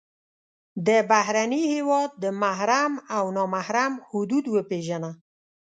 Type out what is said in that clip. د بهرني هېواد د محرم او نا محرم حدود وپېژنه.